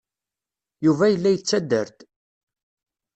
Yuba yella yettader-d.